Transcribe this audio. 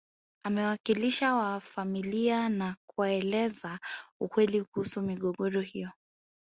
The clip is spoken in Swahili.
Amewakalisha wanafamilia na kuwaeleza ukweli kuhusu migogoro hiyo